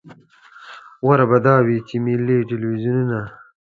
غوره به دا وي چې ملي ټلویزیون.